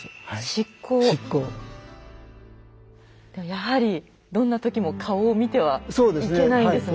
やはりどんな時も顔を見てはいけないんですね。